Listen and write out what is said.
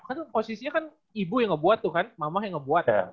karena itu posisinya kan ibu yang ngebuat tuh kan mama yang ngebuat